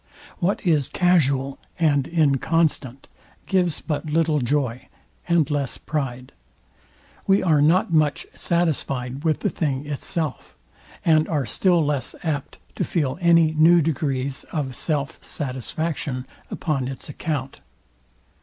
What is casual and inconstant gives but little joy, and less pride. We are not much satisfyed with the thing itself; and are still less apt to feel any new degrees of self satisfaction upon its account.